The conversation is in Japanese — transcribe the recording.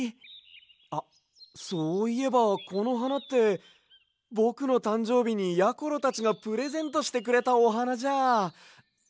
あっそういえばこのはなってぼくのたんじょうびにやころたちがプレゼントしてくれたおはなじゃ。